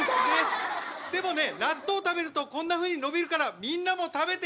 でもね納豆食べるとこんなふうに伸びるからみんなも食べてね！